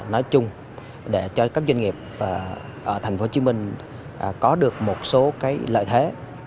nói chung để cho các doanh nghiệp ở thành phố hồ chí minh có được một số lợi thế